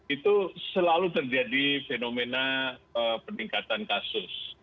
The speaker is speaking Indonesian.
itu selalu terjadi fenomena peningkatan kasus